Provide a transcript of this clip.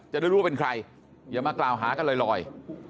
จะได้รู้ว่าเป็นใครอย่ามากล่าวหากันลอย